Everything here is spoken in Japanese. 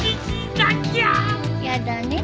やだね